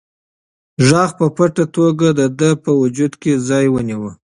غږ په پټه توګه د ده په وجود کې ځای ونیوه.